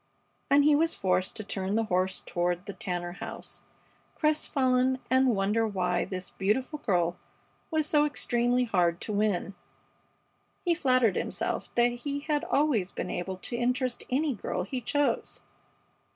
And he was forced to turn the horse toward the Tanner house, crestfallen, and wonder why this beautiful girl was so extremely hard to win. He flattered himself that he had always been able to interest any girl he chose.